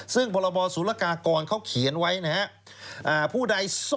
ซึ่งพลศลกเขาเขียนไว้นะฮะ